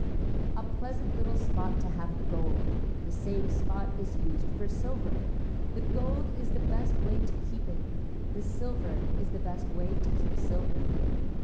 A pleasant little spot to have gold. The same spot is used for silver. The gold is the best way to keep it. The silver is the way to keep silver.